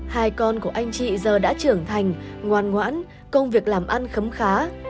hai con của anh chị giờ đã trưởng thành ngoan ngoãn công việc làm ăn khấm khá